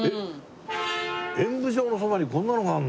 演舞場のそばにこんなのがあるの？